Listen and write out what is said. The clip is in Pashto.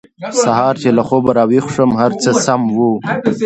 سهار چې له خوبه راویښ شوم هر څه سم وو